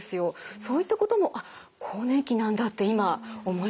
そういったこともあっ更年期なんだって今思いました。